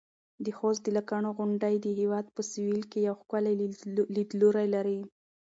د خوست د لکڼو غونډۍ د هېواد په سویل کې یو ښکلی لیدلوری لري.